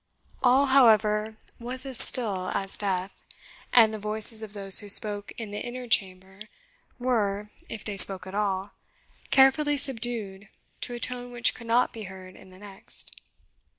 All, however, was as still as death, and the voices of those who spoke in the inner chamber were, if they spoke at all, carefully subdued to a tone which could not be heard in the next.